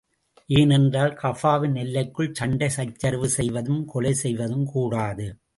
ஏனென்றால், கஃபாவின் எல்லைக்குள் சண்டை சச்சரவு செய்வதும், கொலை செய்வதும் கூடாது.